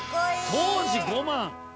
当時５万。